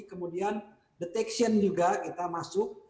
kemudian detection juga kita masuk